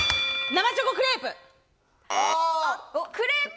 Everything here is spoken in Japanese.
生チョコクレープ。